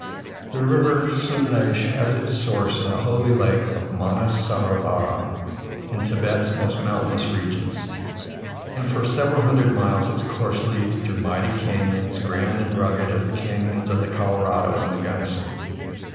The River Sutlej has its source in the holy lake of Manas Saro vara, in Thibet's most mountainous regions, and for several hundred miles its course leads through mighty canons, grand and rugged as the canons of the Colorado and the Gunnison.